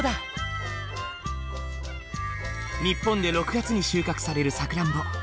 日本で６月に収穫されるさくらんぼ。